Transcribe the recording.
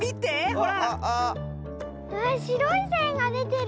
わしろいせんがでてる！